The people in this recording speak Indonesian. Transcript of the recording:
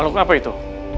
maluku apa itu